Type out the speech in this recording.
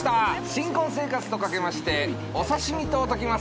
新婚生活とかけましてお刺し身と解きます。